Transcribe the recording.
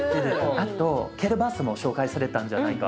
あとキルバサも紹介されたじゃないか。